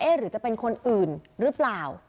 หรือจะเป็นคนอื่นหรือเปล่า